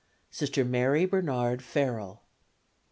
Sister Mary Bernard Farrell.